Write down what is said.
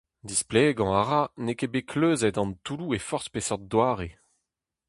Displegañ a ra n'eo ket bet kleuzet an toulloù e forzh peseurt doare.